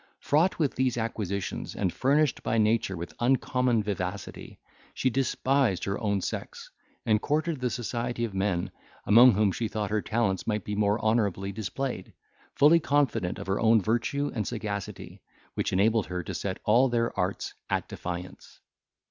Fraught with these acquisitions, and furnished by nature with uncommon vivacity, she despised her own sex, and courted the society of men, among whom she thought her talents might be more honourably displayed, fully confident of her own virtue and sagacity, which enabled her to set all their arts at defiance.